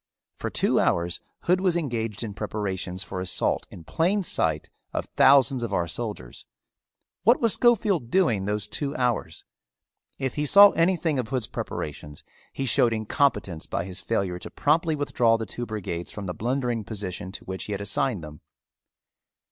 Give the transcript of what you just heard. For two hours Hood was engaged in preparations for assault in plain sight of thousands of our soldiers. What was Schofield doing those two hours? If he saw anything of Hood's preparations he showed incompetence by his failure to promptly withdraw the two brigades from the blundering position to which he had assigned them.